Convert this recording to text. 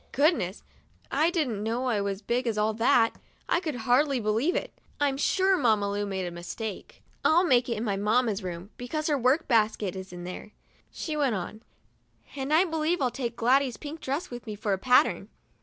Goodness! I didn't know I was as big as all that. I could hardly believe it. I'm sure Mamma Lu made a mistake. "I'll make it in my mamma's room, because her work basket is in there," she went on; "and I believe I'll take Gladys's pink dress with me for a pattern."